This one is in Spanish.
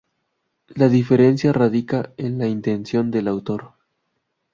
La diferencia radica en la intención del autor.